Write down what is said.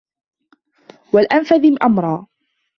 وَالْأَنْفَذِ أَمْرًا